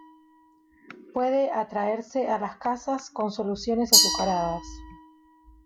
Puede atraerse a las casas con soluciones azucaradas.